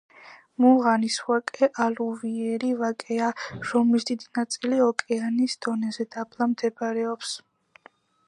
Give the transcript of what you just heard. მუღანის ვაკე ალუვიური ვაკეა, რომლის დიდი ნაწილი ოკეანის დონეზე დაბლა მდებარეობს.